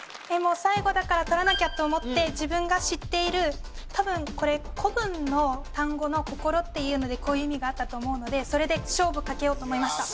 最後だからとらなきゃと思って自分が知っている多分これ古文の単語の心っていうのでこういう意味があったと思うのでそれで勝負かけようと思いました